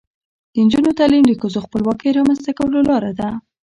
د نجونو تعلیم د ښځو خپلواکۍ رامنځته کولو لاره ده.